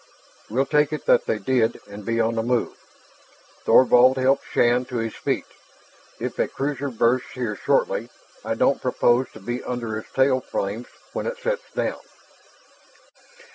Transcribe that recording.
"We'll take it that they did, and be on the move." Thorvald helped Shann to his feet. "If a cruiser berths here shortly, I don't propose to be under its tail flames when it sets down."